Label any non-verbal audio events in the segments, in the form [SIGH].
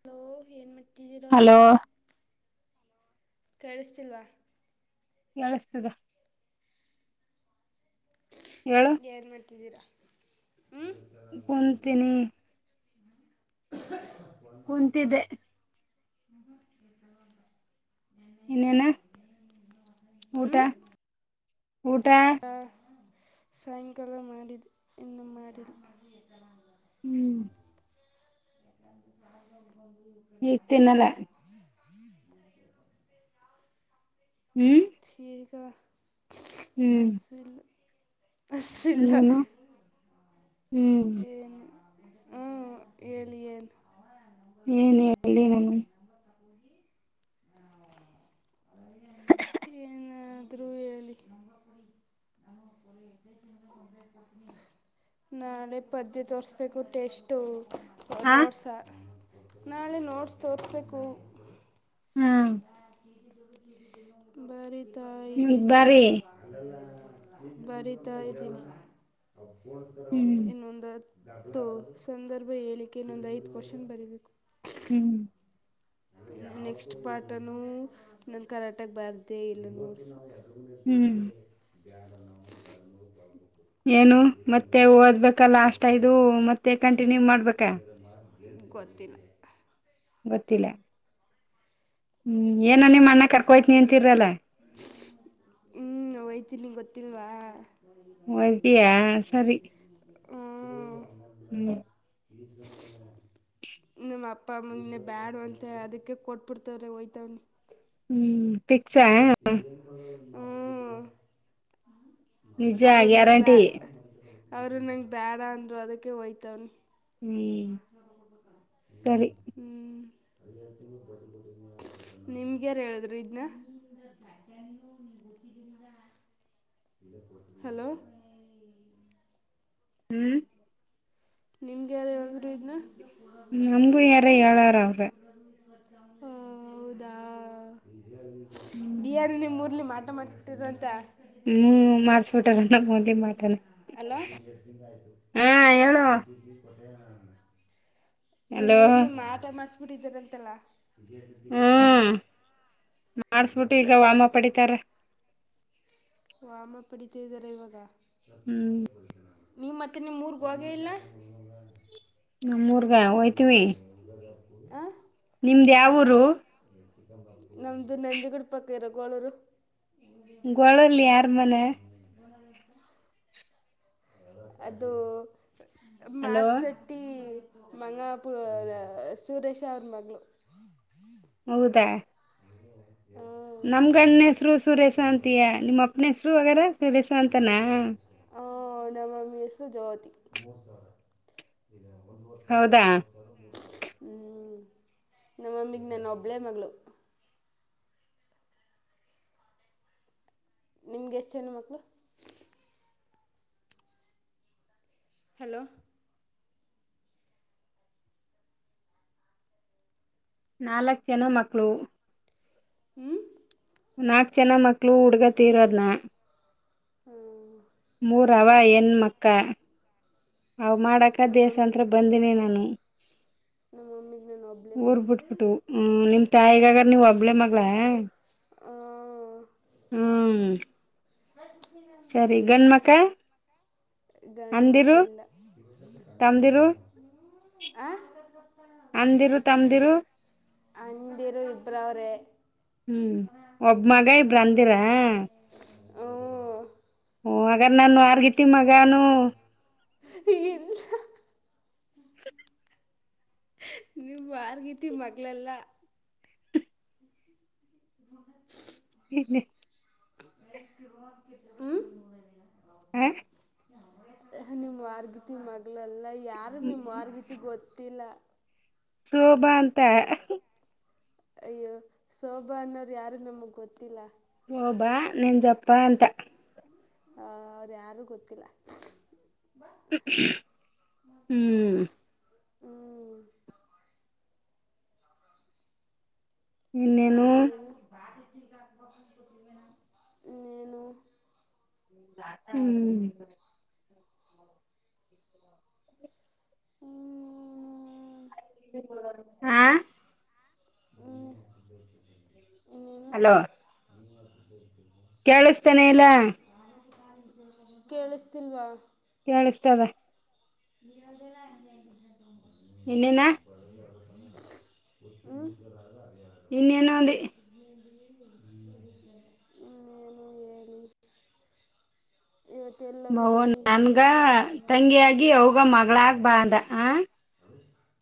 Hello ಏನ್ ಮಾಡತಿದ್ದೀರಾ hello ಕೇಳಿಸ್ತಿಲ್ವಾ. ನಳಸ್ತಿದೆ. ಹೇಳು. ಏನ್ ಮಾಡ್ತಿದ್ದೀರಾ ಹು. ಕುಂತೀನಿ ಕ್ಷಹು ಫೋನ್ ಬಂದೇತಲೆ ಕುಂತಿದ್ದೆ ಇನ್ನೇನು ಊಟ ಊಟ ಹಾ ಸಾಯಂಕಾಲ ಮಾಡಿದ್ದ ಇನ್ನೂ ಮಾಡಿಲ್ಲ. ಹು ಈಗ ತಿನ್ನಲ್ಲ [UNINTELLIGIBLE] ಹ್ಮ್ ತ್ತಿಗಾ ಹೀ ಹ್ಮ್ ಹಸ್ವಿಲ್ಲಾ. ಇನ್ನೇನು ಹು. ಏನು ಹು ಹೇಳಿ ಏನು. ನಿನ ಹೇಳ್. ಹೇಳ ನೀವೇ. ಏನಾದ್ರು ಹೇಳಿ. ನಾಳೆ ಪದ್ಯ ತೋರ್ಸ್ಬೇಕು ಟೆಸ್ಟು. ಅವರ ಹ ನೋಟ್ಸಾ ನಾಳೆ ನೋಟ್ಸ್ ತೋರಿಸ್ಬೇಕು. ಹಾ ಬರಿತಾ ಮುಂದ್ ಇದೀನಿ. ಬಾರಿ ಅದಲ್ಲಾ ಬರಿತಾ ಇದ್ದೀನಿ ಅವರ ಫೋನ್ ಹಚ್ಚತಾರ ಅವಾಗ ಹ್ಮ್ ಇನ್ನೊಂದ. ದಾಖಲಾ ತ್ತೋ ಸಂದರ್ಭ ಹೇಳಕ್ಕೆ ಇನ್ನೊಂದ್ ಐದ ಕ್ವಶನ್ ಬರಿಬೇಕು. ಹು ನೆಕ್ಸ್ಟ್ ಪಾಠನೂ ನನ್ನ ಕರೆಕ್ಟಾಗಿ ಬಾರ್ದೇ ಇಲ್ಲ ನೋಡ್ಸ. ಅವ್ವನೆಲ್ಲಿ ಹ್ಮ್ ಕುಳಸ್ತಿ ಬ್ಯಾಡ ನಾವು ತೊಬೇಕು. ಏನು ಮತ್ತೆ ಓದ್ಬೇಕ ಲಾಸ್ಟ್ ಯಿದು ಮತ್ತೆ ಕಂಟಿನ್ಯೂ ಮಾಡ್ಬೇಕಾ. ಇದನ್ನ ಮಾಡ. ಗೊತ್ತಿಲ್ಲಾ. ಗೊತ್ತಲ್ಲಾ. ಹು ಏನ ನಿಮ್ಮ ಅಣ್ಣ ಕರ್ಕೋಹೊಯತಿನಿ ಅಂತಿರಲ್ಲ. ಜಿಯ್ ಹು ನಾ ಹೋಯ್ತಿನಿ ಗೊತ್ತಿಲ್ವಾ. ಹೋಯ್ತೀಯಾ ಸರಿ ಹು ಹ್ಮ್ ತಿಸ್ ಹೀಯ್. ನಮ್ಮ ಅಪ್ಪ ಅಮ್ಮಾನೆ ಬ್ಯಾಡ ಅಂತ ಅದಕ್ಕೆ ಕೊಟ್ಬಿಡ್ತವ್ರೆ ಹೋಯ್ತವನಿ. ಹು ಫಿಕ್ಸ್ ಆ. ಹು ನಿಜ ಅವರು ಗ್ಯಾರಂಟಿ ಬ್ಯಾಡ್. ಅವರು ನಂಗ ಬ್ಯಾಡಾ ಅಂದರು ಅದಕ್ಕೆ ಹೋಯ್ತವನಿ. ಹ್ಮ್ ಶಾಲಿ ಚೊಲೋ ನೋಡಬೇಕ ಸರಿ ಹು. ಹು ನಿಮ್ಗೆಾರ ಹೇಳಿದ್ರು ಇದ್ನ. ನಿಂದು ತಟ್ಯನು ನೀನ್ ಗೊತ್ತಿದ್ದೀನಲ್ಲ. ಹಲೋ ಹು ನಿಮ್ಗೆ ಯಾರು ಹೇಳಿದ್ರು ಇದ್ನ. ನಮ್ಗೂ ಯಾರ ಹೇಳಾರ ಅವ್ರ ಹು ಹೌದಾ ಯಾರ ನಿಮ್ಮ ಊರಲ್ಲಿ ಮಾಟ ಮಾಡ್. ಹ್ಮ್ ಮಾಡ್ಸ್ಬಿಟಾರ ನಮ್ ಮುಂದಿನ [UNINTELLIGIBLE] ಹಲೋ ಹ್ಮ್ ಹೇಳು [UNINTELLIGIBLE] ನಿಮ್ಮು ಹಲೋ ಊರ್ಲ್ಲಿ ಮಾಟ ಮಾಡಿಸ್ಬಿಟ್ಟಿದಾರಂತಲ್ಲ. ಹ್ಮ ಮಾಡಸ್ಬಿಟ್ಟು ಈಗ ವಾಮ ಪಡಿತಾರ. ವಾಮ ಪಡಿತ ಇದಾರ ಇವಾಗ ಹ್ಮ್ ನೀ ಮತ್ತೆ ನಿಮ್ ಊರಿಗೆ ಹೋಗೆ ಇಲ್ಲ ನಮ್ಮೂರ್ಗ ಆ ನಿಮ್ದ ಯಾವ ಊರು ನಮ್ದು ನಂದಿಗುಡ ಪಕ್ಕ ಇರೋ ಗೂಳೂರು. ಗೋಳಲ್ಲಿ ಯಾರ್ ಮನೆ [INAUDIBLE] ಅದು ಹಲೋ ಮತ್ಸ ಟೀ ಮಂಗ ಪು [UNINTELLIGIBLE] ಸುರೇಶ ಅವ್ರ ಮಗಳು [UNINTELLIGIBLE] ಹೌದಾ [INAUDIBLE] ನಮ್ ಗಂಡನ ಹೆಸ್ರು ಸುರೇಶ್ ಅಂತೆಯೇ ನಿಮ್ಮ್ ಅಪ್ಪನ ಹೆಸ್ರು ಅಂಗೇರ. ಹ ನಮ ಅಮ್ಮನ ಹೆಸರು ಜ್ಯೋತಿ. ಹೌದಾ [UNINTELLIGIBLE] ಹ್ಮ್ ನಮ್ಮಮ್ಮಿಗೆ ನಾನ್ ಒಬ್ಳೇ ಮಗಳು. ನಿಮ್ಗೆ ಎಷ್ಟ ಜನ ಮಕ್ಳು ಹಲೋ ನಾಲ್ಕ ಜನ ಮಕ್ಕಳು. ಹ್ಮ್. ನಾಲ್ಕು ಜನ ಮಕ್ಳು ಹುಡ್ಗ ತಿರೋದ್ನ. ಹ್ಮ್. ಮೂರ ಅವ ಹೆಣ ಮಕ್ಕ ಅವ ಮಾಡಕ ನಮ್ಮ ದೇಸ ಮಮ್ಮಿಗೆ ಅಂತ್ರ. ಬಂದನೆ ನಾನು ನಮ್ಮ ಮಮ್ಮಿಗೆ ನಾನು ಒಬ್ಬಳೇ ಊರ್ ಮಗು ಬಿಟ್ಬಿಟ್ಟು. ಹ್ಮ ನಿಮ್ ತಾಯಿಗಾಗ್ರ ನೀವ ಒಬ್ಳೆ ಮಗಳ. ಹಾ ಹ್ಮ್ [UNINTELLIGIBLE] ಸರಿ ಗಂಡ್ಮಕ್ಕ. ಗಂಡು ಮಕ್ಕ ಇಲ್ಲ. ತಮ್ದಿರು ಹ್ಹ್. ಅಣ್ಣಂದಿರು ತಮ್ಮಂದಿರು. ಅಣ್ಣಂದಿರು ಇಬ್ರವರೆ. ಹ್ಮ್ ಒಬ ಮಗ ಇಬ್ರು ಅಂದಿರ. ಹೂ. ಹೂ ಹಾಗಾದ ನಾನು ಆರ್ಗತಿ ಮಗಾನು. ಹೇ ಇಲ್ಲ. ನೀವು ವರ್ಗಿತ್ತಿ ಮಗಳಲ್ಲ. [INAUDIBLE] [UNINTELLIGIBLE] [UNINTELLIGIBLE] ಹ್ಮ ಹ ನಿಮ್ಮ್ ಮಾರ್ಗತಿ ಮಗಳಲ್ಲ ಯಾರು ನಿಮ್ಮ್ ಮಾರ್ಗತಿ ಗೊತ್ತಿಲ್ಲ. ಸೋಭಾ ಅಂತ. ಅಯ್ಯೋ ಸೋಭಾ ಅನ್ನೋರು ಯಾರು ನಮಗ್ ಗೊತ್ತಿಲ್ಲ. ಸೋಬಾ ನೇನ್ ಜಪ್ಪಾ ಅಂತ. ಹ ಅವ್ರ ಯಾರು ಗೊತ್ತಿಲ್ಲ. ಹ ಹ್ಮ ಹ್ಮ್, ಇನ್ನೇನು. ನೇನೂ. ಹ್ಮ್ ಹ ಅನ್ನಾನಾ ಹಾ ಹ್ಮ ಹಲೋ [UNINTELLIGIBLE] ಕೇಳಿಸ್ತಾನೆ ಇಲ್ಲ. ಕೇಳಿಸ್ತಿಲ್ವಾ. ಕೇಳಸ್ತದೆ. ನೀ ಹೇಳದಿಲ್ಲಾ [UNINTELLIGIBLE] ಇನ್ನೇನಾ ಹೂ ಇನ್ನೇನ ಅಂದೆ. ಹ [UNINTELLIGIBLE] ಇವತ್ತು ಮವು ಎಲ್ಲೋಗಿದ್ರಿ ನನ್ಗಾ ತಂಗಿಯಾಗಿ ಅವ್ಗ ಮಗಳಾಗ್ ಬಾ ಅಂದ ಆ. ಹೌ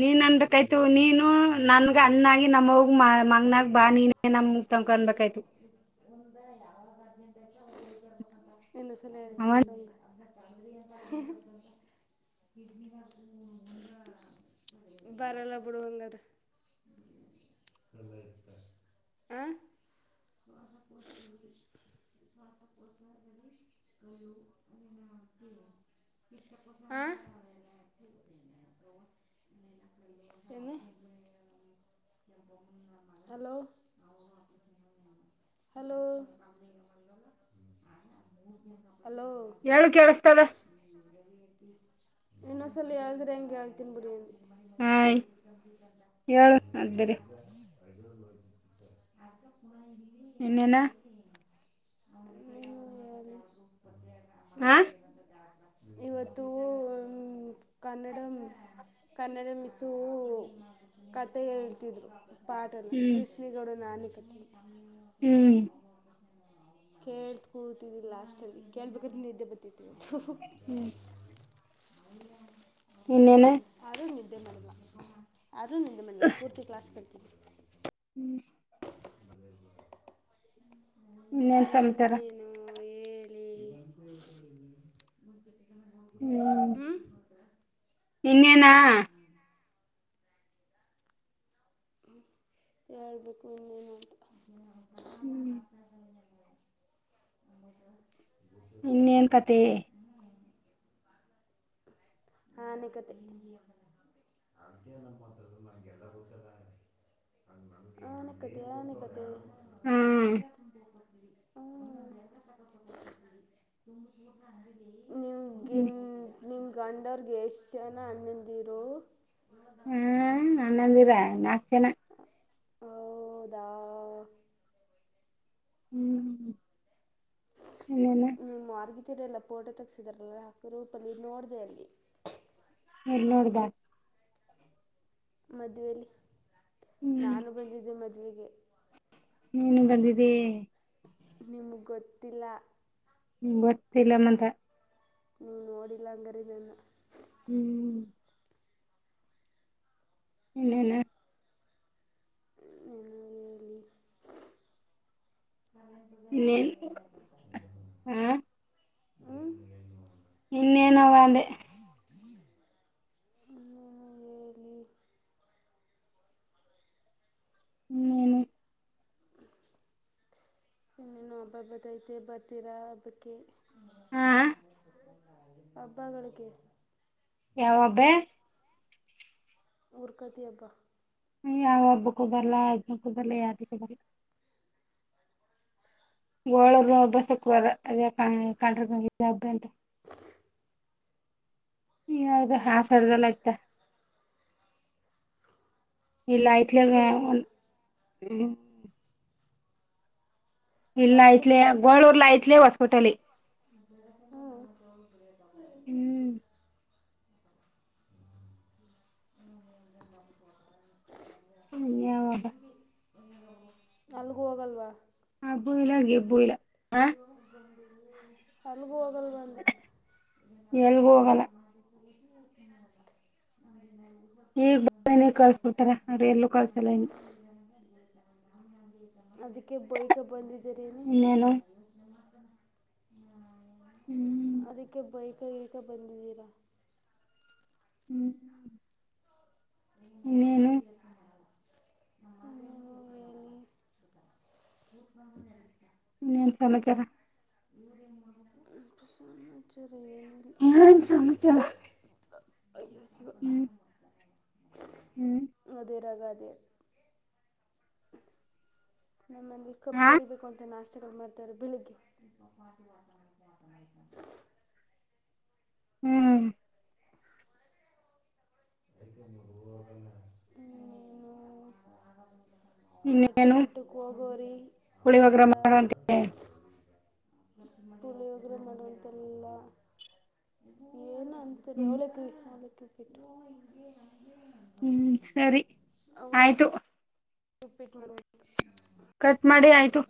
ನೀನ್ ಅನ್ಬೇಕಾಯ್ತು ನೀನು ನನ್ಗ ಅಣ್ಣಾಗಿ ನಮ್ಮವ್ಗ್ ಮಾ ಮಗನಾಗ್ ಬಾ ನೀನ್ ನಮ್ ಮುಕ್ ತೊಕೊನ್ಬೇಕಾಯ್ತು. [UNINTELLIGIBLE] ತಗಳದ ಹದ್ನೈದ್ ಬೇಕು [UNINTELLIGIBLE] ಇನ್ನು ಸಲಯ ತಿ ಅವನ್ [UNINTELLIGIBLE] [UNINTELLIGIBLE] ಬರಲ್ಲ ಬುಡುವಂಗದ್ರ. ಆ [UNINTELLIGIBLE] [UNINTELLIGIBLE] ಹಾಂ ಏನು ಹಲೋ ಹಲೋ ಹಲೋ ಹೇಳು ಕೇಳಿಸ್ತದ. ಇನ್ನೊಸಲಿ ಹೇಳಳ್ದ್ರೆ ಹೆಂಗೆ ಹೇಳ್ತೀನ್ ಬಿಡಿ ಹಯ್ ಹೇಳು ಅದ್ರಿ ಇನ್ನೇನ ಹ್ಮ [UNINTELLIGIBLE] ಹೂ ಹಾ [UNINTELLIGIBLE] ಇವತ್ತೂ ಕನ್ನಡನು. ಕನ್ನಡ ಮಿಸ್ಸೂ ಕಥೆ ಹೇಳ್ತಿದ್ರು. ಪಾಠನ್ನ ಹ್ಮ್ ಕೃಷ್ಣಗೌಡನ ನಾಣಿಕಟ್ಟಿ ಹ್ಮ್. ಕೇಳ್ತ ಕೂತಿದವಿ ಲಾಸ್ಟಲ್ಲಿ ಕೇಳ್ಬೇಕಾದ್ರೆ ನಿದ್ದೆ ಬರ್ತತಿವಿತ್ತು. ಹ್ಮ್. ಇನ್ನೇನ ಆದ್ರು ನಿದ್ದೆ ಮಾಡಲ್ಲ. ಆದರೂ ನಿದ್ದೆ ಮಾಡಲ್ಲ ಪೂರ್ತಿ ಕ್ಲಾಸ್ ಕೇಳ್ತೀನಿ. ಹ್ಮ್. [UNINTELLIGIBLE] ಇನ್ನೇನ್ ಸಮಚಾರ ನೀವು ಹೇಲಿ. ಹ್ಮ್ ಇನ್ನೇನಾ ಹೇಳ್ಬೇಕು ಇನ್ನೇನು ಅಂತಾ. ಹ್ಮ್. [UNINTELLIGIBLE] ಇನ್ನೇನ್ ಕತೆ ಆಣೆಕತೆ ಆನೆಕತೆ ಆನೆಕತೆ ಹ್ಮ್ ಹ್ಮ ನಿಮಗೆ ಹ್ಮ್ ನಿಮ್ಮ ಗಂಡರಗೆ ಎಷ್ಟ ಜನ ಅನ್ನಂದಿರು. ಹ್ಮ್ ಅನ್ನಂದಿರ ನಾಲ್ಕ ಜನ. ಹೌದಾ ಹ್ಮ್ ಇನ್ನೇನ್ ನೀಮ್ಮ ವಾರಗಿತ್ತಿರೆಲ್ಲ ಫೋಟೋ ತೆಗಸಿದ್ರಲ್ಲ ಹಾಕ್ ಗ್ರೂಪಲ್ಲಿ ನೋಡದೆ ಅಲ್ಲಿ. ಎಲ್ಲಿ ನೋಡ್ದಾ ಮದ್ವೇಲಿ ಹ್ಮ್ ನಾನು ಬಂದಿದ್ದೆ ಮದವೆಗೆ. ನೀನು ಬಂದಿದ್ದಿ. ನಿಮ್ಗ ಗೊತ್ತಿಲ್ಲ. ಗೊತ್ತಿಲ್ಲಮಂತ. ನೀವ ನೋಡಿಲ್ಲ ಹಂಗಾರೆ ನನ್ನ ಹ್ಮ್. ಇನ್ನೆನ ನೀನು ಹೇಳಿ ಇನ್ನೇನ್ ಹಾ ಹ್ಮ ಇನ್ನೇನವಾಂದೆ ನೀನು ಹೇಳಿ ಇನ್ನೇನು ಇನ್ನು ಹಬ್ಬ ಬತೈತೆ ಬರ್ತೀರಾ ಹಬ್ಬಕ್ಕೆ. ಹಾ ಹಬ್ಬಗಳಿಗೆ ಯಾವಬ್ಬೆ ಊರ್ಕತಿ ಅಬ್ಬ ಯಾವ ಹಬ್ಬಕ್ಕೂ ಬರಲ್ಲಾ ಇದ್ನಕ್ಕೂ ಬರ್ಲ್ಲಾ ಯಾವದಕ್ಕೂ ಬರಲ್ಲಾ ಒಳಗ ಬಸ್ ಹೊಕ್ಕುವಾಗ ಅದ್ಯಾಕ್ ಕಾಣರ್ಗಂಗೆ ಯಾವ್ದ್ ಕಂಡ್ರೆ ಹಾಸ ಕಳಪ ಹರದಲ್ಲೇತ್ತ ಇಲ್ಲಾ ಐತಲ ಶುಕ್ರವಾರನಾ ಒಂದ್ ಇಲ್ಲ ಯಾವ ಐತ್ಲ ಗೊಳ್ಳ ಉರ್ಲಾ ಐತ್ಲ ಹೊಸಕೋಟೆಲಿ ಹ್ಮ ಹ್ಮ್ ಯಾವ ಹಬ್ಬ [INAUDIBLE] ಅಲ್ಗೊ ಹೋಗಲ್ವಾ ಹಬ್ಬು ಇಲ್ಲ್ ಗಿಬ್ಬು ಇಲ್ಲ್ ಅಲ್ಗು ಹೋಗಲ್ವಾ ಅಂದೆ ಎಲ್ಗು ಹೋಗಲ್ಲ್ [INAUDIBLE] ಈಗ್ ಬಂದಿನಿ ಕಳ್ಸ ಬುಡ್ತಾರಾ ನಡಿ ಎಲ್ಲೂ ಕಳ್ಸಲ್ಲ ಇನ್ ಅದಿಕ್ಕೆ ಬೈಯಕ ಬಂದಿದ್ದೀರಿನಿ ಇನ್ನು ಇನ್ನೇನು [INAUDIBLE] ಹ್ಮ್ ಅದಿಕ್ಕೆ ಬೈಕ ಗಿಕ ಬಂದಿದ್ದೀರಾ ಹ್ಮ್ ನೀನೆ [INAUDIBLE] [INAUDIBLE] ಇನ್ನೇನ್ ಸಮಾಚಾರ [INAUDIBLE] [UNINTELLIGIBLE] ಚುರುಯೆ ಏನ ಸಮಾಚಾರ ಅಯ್ಯೋ ಶಿವನೇ ಹ್ಮ್ ಹ್ಮ್ ಮೂದೆರಗಾದಿವ ನಮ್ಮಲ್ಲಿ ಕಪ್ಪು ಹಾ ತರಿಬೇಕು ಅಂತ ನಾಷ್ಟಗಳು ಮಾಡ್ತಾರೆ ಬೆಳಿಗ್ಗೆ [INAUDIBLE] ಹ್ಮ್ [INAUDIBLE] ನೀನು ಇನ್ನೇನು ಬೆಟ್ಟಕಿಟ್ಟಕೊಗೋರಿ ಪುಳಿಯೋಗರೆ ಆಸಡ ಮಾಡು ಅಂತೆ ಪುಳಿಯೋಗರೆ ಮಾಡುವಂತೆಲ್ಲ ಏನಂತ ನಂತ್ತಿರಿ ಹ್ಮ್ ಅವಲಕ್ಕಿ ಅವಲಕ್ಕಿ ಉಪ್ಪಿಟ್ಟು ಹ್ಮ್ ಸರಿ ಆಯ್ತು ಉಪ್ಪಿಟ್ ಮಾಡಬೇಕು ಕಟ್ ಮಾಡಿ ಆಯ್ತು